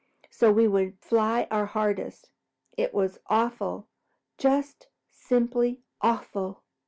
So we would fly our hardest. It was awful, just simply awful!"